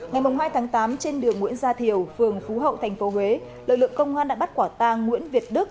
ngày hai tháng tám trên đường nguyễn gia thiều phường phú hậu tp huế lực lượng công an đã bắt quả tang nguyễn việt đức